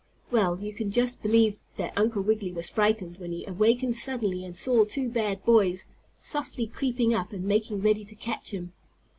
Well, you can just believe that Uncle Wiggily was frightened when he awakened suddenly and saw two bad boys softly creeping up and making ready to catch him.